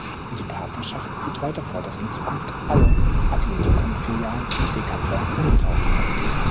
Die Partnerschaft sieht weiter vor, dass in Zukunft alle Athleticum-Filialen in Decathlon umgetauft werden.